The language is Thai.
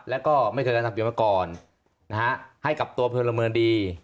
แล้วก็ไม่เคยการทำอยู่มาก่อนนะฮะให้กับตัวเพลินละเมืองดี